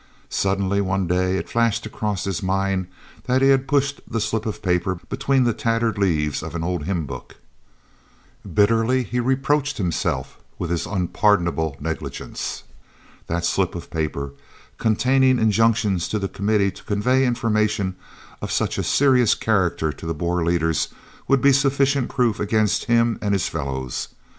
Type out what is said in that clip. Suddenly one day it flashed across his mind that he had pushed the slip of paper between the tattered leaves of an old hymn book. Bitterly he reproached himself with his unpardonable negligence. That slip of paper, containing injunctions to the Committee to convey information of such a serious character to the Boer leaders, would be sufficient proof against him and his fellows.